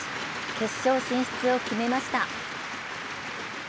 決勝進出を決めました。